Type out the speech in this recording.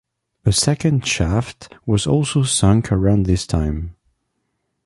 A second shaft was also sunk around this time.